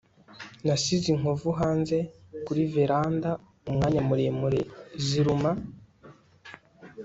nasize inkovu hanze kuri veranda umwanya muremure ziruma